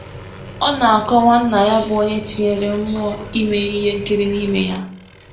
Ọ na-akọwa nna ya bụ onye tinyere mụọ ime ihe nkiri n'ime ya.